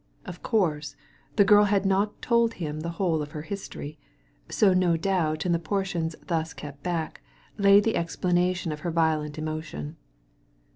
Of course, the girl had not told him the whole of her history, so no doubt in the portions thus kept back lay the explanation of her violent emotion.